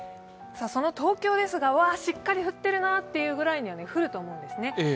東京ですが、わー、しっかり降ってるなぐらいには降ると思うんです。